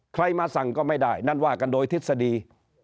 ใครมาสั่งก็ไม่ได้นั่นว่ากันโดยทฤษฎี